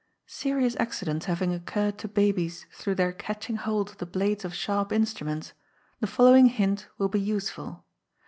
Serious accidents having occurred to babies through their catching hold of the blades of sharp instruments, the following hint will be useful.